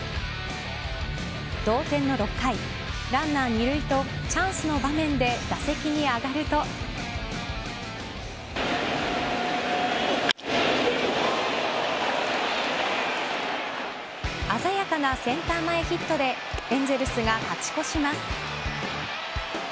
同点の６回ランナー２塁とチャンスの場面で打席に上がると鮮やかなセンター前ヒットでエンゼルスが勝ち越します。